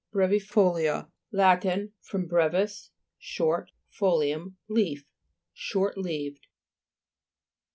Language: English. BREVIFO'LIA Lat. from brevis, short, folium, leaf. Short leaved.